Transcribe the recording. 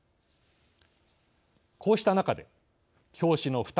こうした中で教師の負担